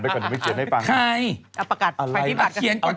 เป็นรุ่นเก่ารุ่นเก่า